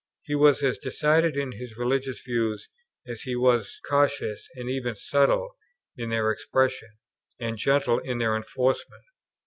He was as decided in his religious views, as he was cautious and even subtle in their expression, and gentle in their enforcement.